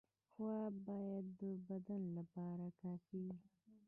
خواب باید د بدن لپاره کافي وي.